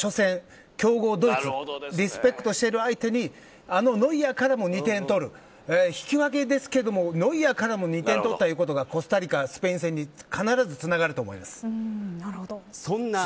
リスペクトしている相手にあのノイアーからも２点を取る引き分けですけど、ノイアーから２点取ったということはコスタリカやスペイン戦に必ずつながると思います。